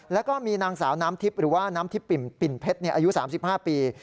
แล้วก็มีนางสาวน้ำทิพย์หรือว่าน้ำทิพย์ปิ่นเพชรอายุ๓๕ปี